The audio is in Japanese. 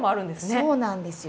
そうなんですよ。